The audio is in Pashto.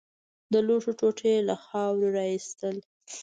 د لوښو ټوټې يې له خاورو راايستل.